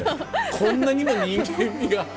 「こんなにも人間味が」。